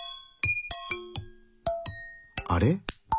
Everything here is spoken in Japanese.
あれ？